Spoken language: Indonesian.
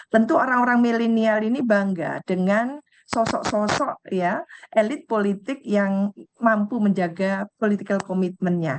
tentu orang orang milenial ini bangga dengan sosok sosok ya elit politik yang mampu menjaga political commitment nya